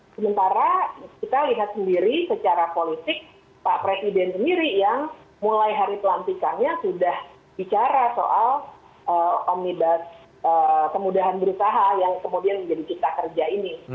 sementara kita lihat sendiri secara politik pak presiden sendiri yang mulai hari pelantikannya sudah bicara soal omnibus kemudahan berusaha yang kemudian menjadi cipta kerja ini